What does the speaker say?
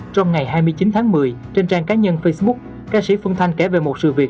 trong ngày hai mươi chín tháng một mươi trên trang cá nhân facebook ca sĩ phương thanh kể về một sự việc